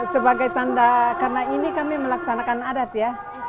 sebagai tanda karena ini kami melaksanakan adat ya